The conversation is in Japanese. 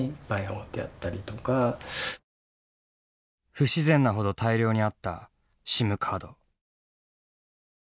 不自然なほど大量にあったＳＩＭカード。